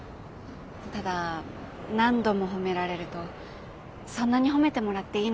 ただ何度も褒められるとそんなに褒めてもらっていいのかな